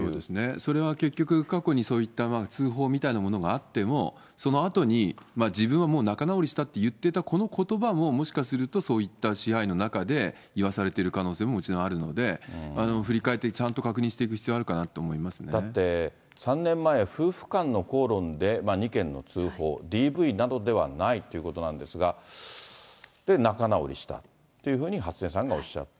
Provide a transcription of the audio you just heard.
それは結局、過去にそういった通報みたいなものがあっても、そのあとに、自分はもう仲直りしていたということばも、もしかするとそういった支配の中で言わされている可能性ももちろんあるので、振り返って、ちゃんと確認していく必要があるかなとだって３年前、夫婦間の口論で２件の通報、ＤＶなどではないってことなんですが、で、仲直りしたっていうふうに初音さんがおっしゃった。